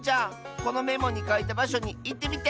このメモにかいたばしょにいってみて！